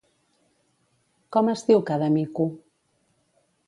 Com es diu cada mico?